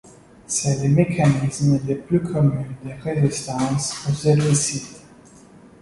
C'est le mécanisme le plus commun de résistance aux herbicides.